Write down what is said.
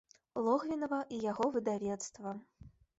Логвінава і яго выдавецтва.